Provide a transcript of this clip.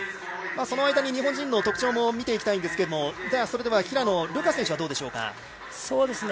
その間に日本人の特徴も見ていきたいんですけど平野流佳選手はどうでしょうか。